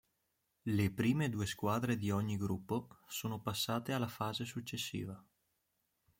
Le prime due squadre di ogni gruppo sono passate alla fase successiva.